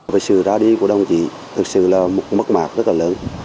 với sự ra đi của đồng chí thực sự là một mất mạc rất là lớn